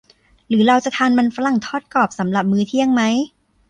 หรือเราจะทานมันฝรั่งทอดกรอบสำหรับมื้อเที่ยงไหม ?